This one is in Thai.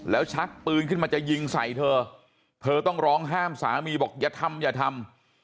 แล้วชักปืนขึ้นมาจะยิงใส่เธอเธอต้องร้องห้ามสามีบอกอย่าทำอย่าทำ